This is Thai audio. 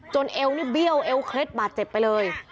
เอวนี่เบี้ยวเอวเคล็ดบาดเจ็บไปเลย